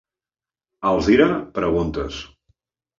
A Alzira, peguntes.